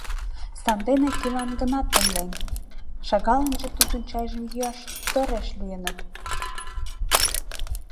Сандене кӧлан гына темлен, шагалынже тудын чайжым йӱаш тореш лийыныт.